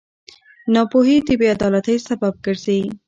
ناپوهي د بېعدالتۍ سبب ګرځي.